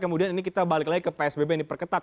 kemudian ini kita balik lagi ke psbb yang diperketat